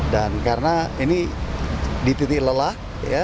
dan karena ini di titik lelah